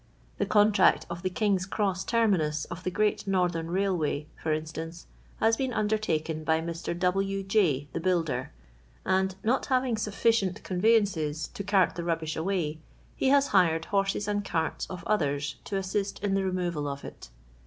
The contract of the King's Cross Tcnniiiua of the Great Northern Kail way, for ir.stanct', hns been undertaken by Mr. W. Jay, tho builder ; and, not having sufficient con veyances to cart the rubbish away, he has hired horses and carts of others to assist in the removal of it.